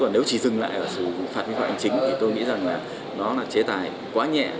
nếu chỉ dừng lại và xử phạt vi phạm hành chính thì tôi nghĩ rằng là nó là chế tài quá nhẹ